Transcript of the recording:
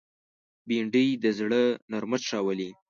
بېنډۍ د زړه نرمښت راولي